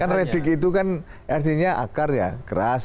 kan redik itu kan artinya akar ya keras